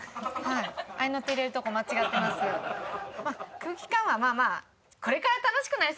空気感はまあまあ。